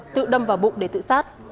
tự đâm vào bụng để tự sát